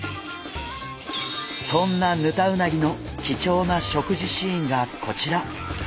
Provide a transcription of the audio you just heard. そんなヌタウナギの貴重な食事シーンがこちら！